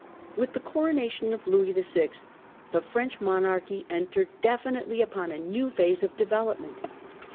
With the coronation of Louis VI. the French monarchy entered definitely upon a new phase of development.